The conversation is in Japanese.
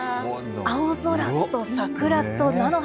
青空とサクラと菜の花。